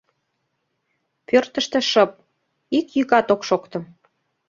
Пӧртыштӧ шып, ик йӱкат ок шокто.